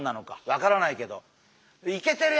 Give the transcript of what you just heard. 分からないけど。